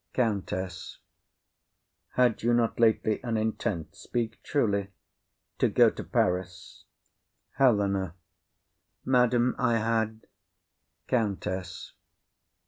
COUNTESS. Had you not lately an intent,—speak truly,— To go to Paris? HELENA. Madam, I had. COUNTESS.